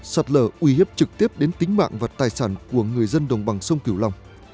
sạt lở uy hiếp trực tiếp đến tính mạng và tài sản của người dân đồng bằng sông cửu long